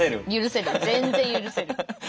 全然許せる。